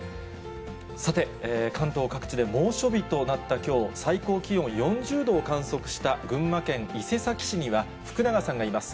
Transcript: さて、関東各地で猛暑日となったきょう、最高気温４０度を観測した群馬県伊勢崎市には福永さんがいます。